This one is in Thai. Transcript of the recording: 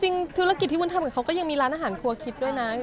จริงธุรกิจที่วุ้นทำกับเขาก็ยังมีร้านอาหารครัวคิดด้วยนะ